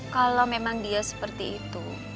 kalau memang dia seperti itu